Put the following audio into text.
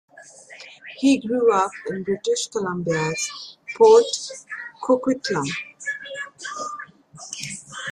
He grew up in British Columbia's Port Coquitlam.